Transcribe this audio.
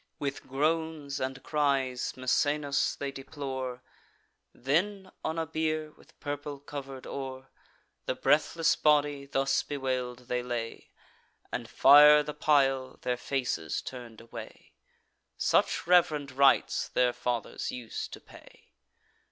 With groans and cries Misenus they deplore: Then on a bier, with purple cover'd o'er, The breathless body, thus bewail'd, they lay, And fire the pile, their faces turn'd away: Such reverend rites their fathers us'd to pay.